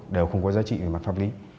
đều không có giá trị về mặt pháp lý